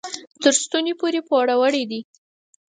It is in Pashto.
تر ستوني پورې پوروړي دي.